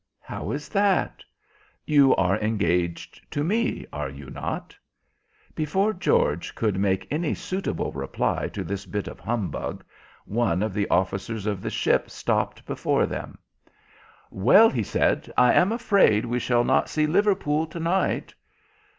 "How is that?" "You are engaged to me, are you not?" Before George could make any suitable reply to this bit of humbug, one of the officers of the ship stopped before them. "Well," he said, "I am afraid we shall not see Liverpool to night."